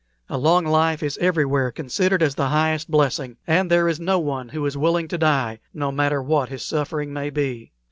A long life is everywhere considered as the highest blessing; and there is no one who is willing to die, no matter what his suffering may be.